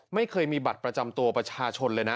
ไม่เคยมีบัตรประจำตัวประชาชนเลยนะ